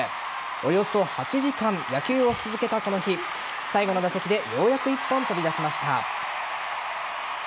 およそ８時間野球をし続けたこの日最後の打席でようやく１本飛び出しました。